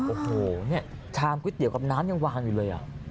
โอ้โหเนี่ยชามก๋วยเตี๋ยวกับน้ำยังวางอยู่เลย